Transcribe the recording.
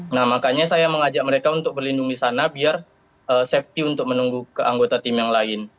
nah makanya saya mengajak mereka untuk berlindung disana biar safety untuk menunggu ke anggota tim yang lain